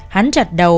hắn chặt đầu